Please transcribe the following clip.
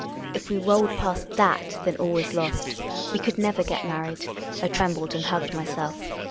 If we rolled past f/ia^, then all was lost. We could never get married. I trembled and hugged myself.